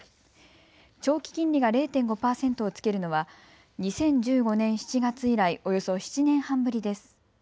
長期金利が０．５％をつけるのは２０１５年７月以来、およそ７年半ぶりです。